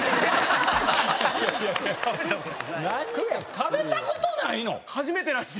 食べたことないの？